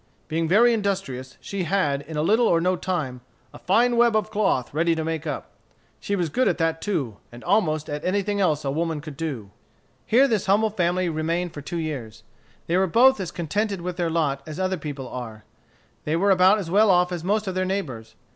Being very industrious, she had, in little or no time, a fine web of cloth ready to make up. She was good at that too, and at almost anything else a woman could do." Here this humble family remained for two years. They were both as contented with their lot as other people are. They were about as well off as most of their neighbors.